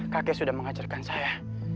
kakek sudah mengajarkan saya